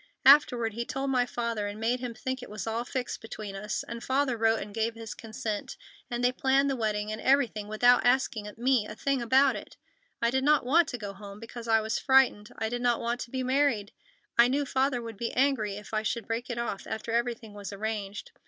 Afterward, he told my father and made him think it was all fixed between us and Father wrote and gave his consent, and they planned the wedding and everything without asking me a thing about it. I did not want to go home, because I was frightened. I did not want to be married. I knew Father would be angry if I should break it off after everything was arranged.